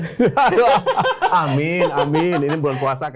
aduh amin amin ini bulan puasa